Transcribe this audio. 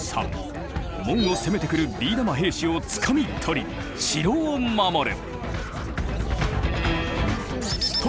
門を攻めてくるビー玉兵士をつかみ取り城を守る。